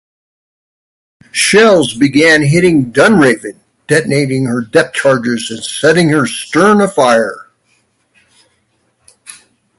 Shells began hitting "Dunraven", detonating her depth charges and setting her stern afire.